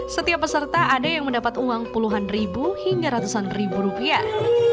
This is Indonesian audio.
setiap peserta ada yang mendapat uang puluhan ribu hingga ratusan ribu rupiah